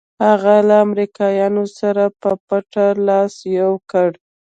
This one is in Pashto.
هغه له امریکایانو سره په پټه لاس یو کړ.